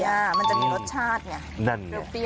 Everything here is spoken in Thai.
นั่นเลยเราต้องแป้วหน่อย